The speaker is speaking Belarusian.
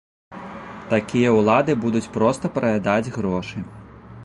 Такія ўлады будуць проста праядаць грошы.